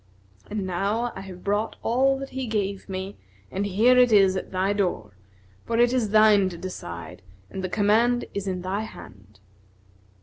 And now I have brought all that he gave me and here it is at thy door; for it is thine to decide and the command is in thy hand."